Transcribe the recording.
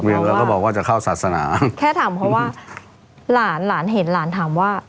เราก็บอกว่าจะเข้าศาสนาแค่ถามเพราะว่าหลานหลานเห็นหลานถามว่า